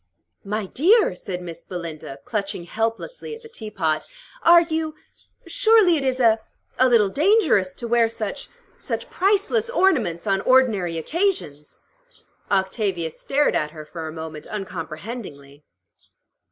"My dear," said Miss Belinda, clutching helplessly at the teapot, "are you surely it is a a little dangerous to wear such such priceless ornaments on ordinary occasions." Octavia stared at her for a moment uncomprehendingly.